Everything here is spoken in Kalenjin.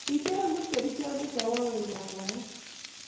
Kicheran kipkerichonde awo weldab baet